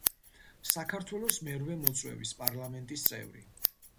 საქართველოს მერვე მოწვევის პარლამენტის წევრი.